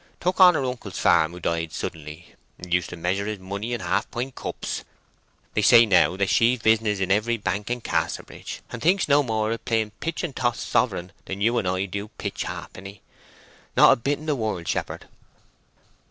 Took on her uncle's farm, who died suddenly. Used to measure his money in half pint cups. They say now that she've business in every bank in Casterbridge, and thinks no more of playing pitch and toss sovereign than you and I do pitch halfpenny—not a bit in the world, shepherd."